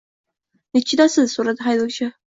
-Nechchidasiz? – So’radi haydovchi.